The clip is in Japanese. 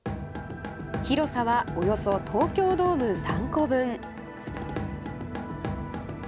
広さはおよそ東京ドーム３個分。